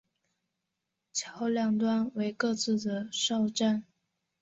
桥两端为各自的哨站。